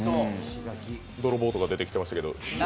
泥棒とか出てきてましたけど。